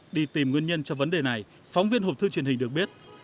đi tìm nguyên nhân cho vấn đề này phóng viên hộp thư truyền hình được biết